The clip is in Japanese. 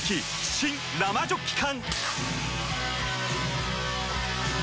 新・生ジョッキ缶！